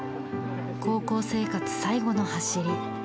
高校生活最後の走り。